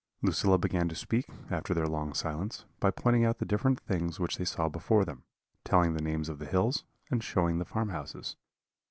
"Lucilla began to speak, after their long silence, by pointing out the different things which they saw before them, telling the names of the hills, and showing the farm houses.